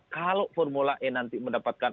kalau formula e nanti mendapatkan